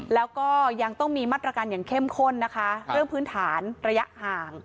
แล้วก็ยังต้องมีมาตรการอย่างเข้มข้นนะคะเรื่องพื้นฐานระยะห่าง